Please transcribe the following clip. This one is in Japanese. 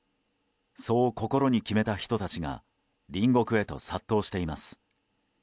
そう心に決めた人たちが隣国へと殺到しています。